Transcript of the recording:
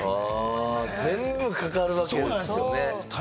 全部かかるわけですもんね。